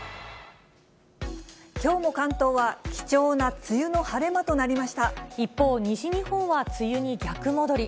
きょうも関東は貴重な梅雨の一方、西日本は梅雨に逆戻り。